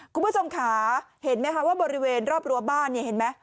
คุณผู้ชมค่ะเห็นไหมคะว่าบริเวณรอบรั้วบ้านเนี่ยเห็นไหม